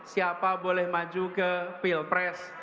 siapa boleh maju ke pilpres